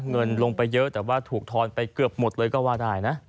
เงินลงไปเยอะแต่ว่าถูกทอนไปเกือบหมดเลยก็ว่าได้นะ